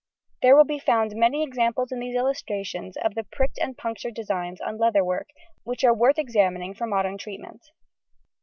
There will be found many examples in these illustrations of the pricked and punctured designs on leather work which are worth examining for modern treatment.